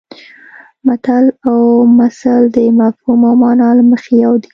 متل او مثل د مفهوم او مانا له مخې یو دي